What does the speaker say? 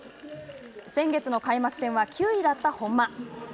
先月の開幕戦は９位だった本間。